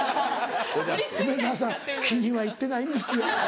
梅沢さん気には入ってないんですよ。